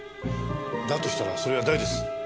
だとしたらそれは誰です？